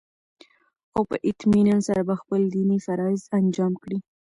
او په اطمينان سره به خپل ديني فرايض انجام كړي